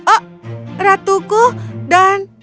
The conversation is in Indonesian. oh ratuku dan